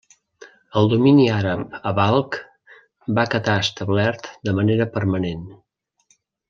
El domini àrab a Balkh va quedar establert de manera permanent.